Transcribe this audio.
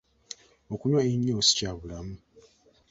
Okunywa ennyo si kya bulamu.